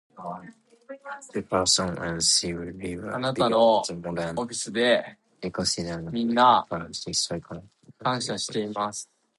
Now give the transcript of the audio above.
"Jefferson and Civil Liberties" began the modern reconsideration of Jefferson's historical reputation.